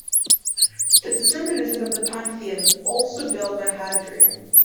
This is reminiscent of the Pantheon, also built by Hadrian.